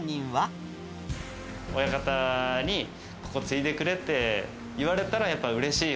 親方に、ここ継いでくれって言われたら、やっぱうれしい。